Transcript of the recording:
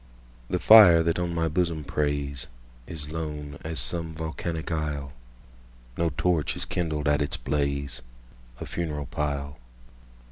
The fire that on my bosom preysIs lone as some volcanic isle; No torch is kindled at its blaze—A funeral pile.